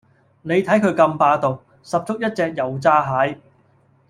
你睇佢咁霸道，十足一隻油炸蟹